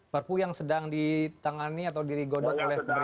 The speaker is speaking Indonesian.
perpu yang sedang ditangani atau digodok oleh pemerintah